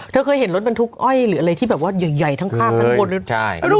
เธอเคยเห็นรถบรรทุกอ้อยหรืออะไรที่แบบว่าใหญ่ทั้งภาพทั้งบน